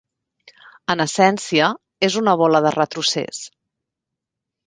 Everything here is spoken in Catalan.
En essència, és una bola de retrocés.